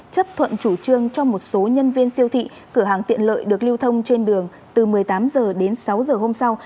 chấp thuận chủ trương cho một số nhân viên siêu thị cửa hàng tiện lợi được lưu thông trên đường từ một mươi tám h đến sáu h hôm sau